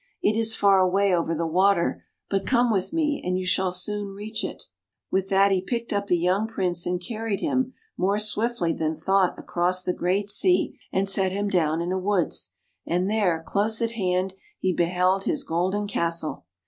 It is far away over the water. But come with me, and you shall soon reach it." With that he picked up the young Prince and carried him, more swiftly than thought, across the great sea, and set him down in a woods. And there, close at hand, he beheld his golden castle!